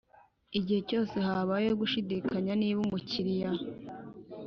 Igihe cyose habayeho gushidikanya niba umukiriya